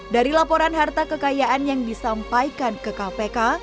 dari laporan harta kekayaan yang disampaikan ke kpk